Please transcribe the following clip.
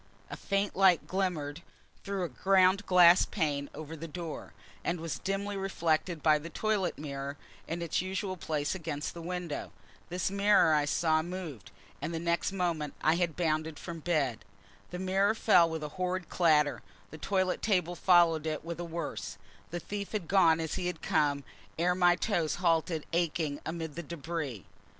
A faint light glimmered through a ground glass pane over the door; and was dimly reflected by the toilet mirror, in its usual place against the window. This mirror I saw moved, and next moment I had bounded from bed. The mirror fell with a horrid clatter: the toilet table followed it with a worse: the thief had gone as he had come ere my toes halted aching amid the debris.